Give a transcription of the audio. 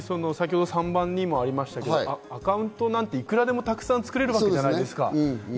３番にもありましたけれども、アカウントなんていくらでもたくさん作れるわけじゃないですか。